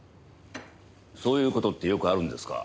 そういう事ってよくあるんですか？